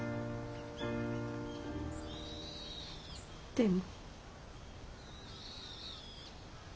でも。